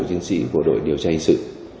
chính sĩ của đội điều tra hình sự